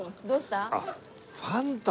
どうしたの？